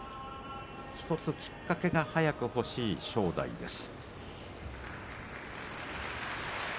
１つきっかけが早く欲しい正代です。